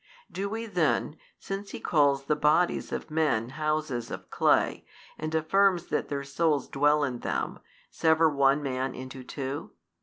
Do we then, since he calls the bodies of men houses of clay, and affirms that their souls dwell in them, sever one man into two?